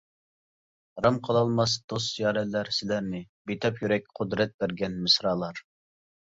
رام قىلالماس دوست-يارەنلەر سىلەرنى، بىتاپ يۈرەك قۇدرەت بەرگەن مىسرالار.